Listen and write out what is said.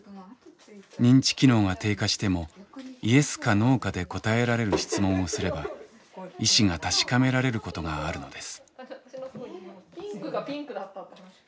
認知機能が低下してもＹＥＳかＮＯかで答えられる質問をすれば意思が確かめられることがあるのです。